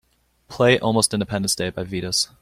play almost independence day by Vitas